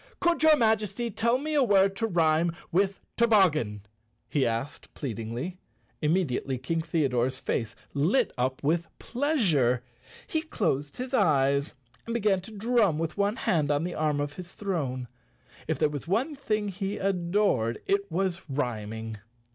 "Could your Majesty tell me a word to rhyme with toboggan?" he asked pleadingly. Imm e diately King Theodore's face lit up with pleasure. He closed his eyes and began to drum with one hand on the arm of his throne. If there was one thing he adored it was rhyming.